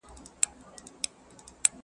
پر زولنو یې دي لیکلي لېونۍ سندري،